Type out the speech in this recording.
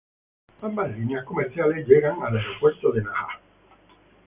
Ambas líneas comerciales llegan al Aeropuerto de Naha.